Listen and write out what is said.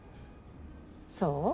そう？